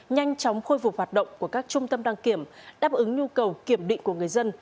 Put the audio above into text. nhanh chóng khôi phục hoạt động của các trung tâm đăng kiểm đáp ứng nhu cầu kiểm định của người dân